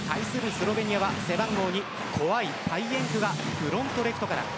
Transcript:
スロベニアは背番号２怖いパイエンクがフロントレフトから。